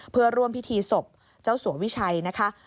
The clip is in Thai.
เพื่อร่วมพิธีศพเจ้าสัววิชัยนะคะ